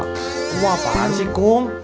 kamu apaan sih kum